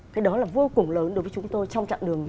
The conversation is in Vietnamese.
cái đó là vô cùng lớn đối với chúng tôi trong chặng đường